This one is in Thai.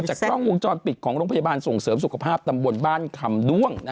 กล้องวงจรปิดของโรงพยาบาลส่งเสริมสุขภาพตำบลบ้านคำด้วง